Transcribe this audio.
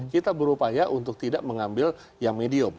kita berupaya untuk tidak mengambil yang medium